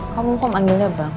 kamu kok manggilnya bang